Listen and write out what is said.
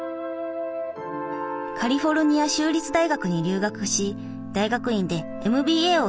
カリフォルニア州立大学に留学し大学院でＭＢＡを取得。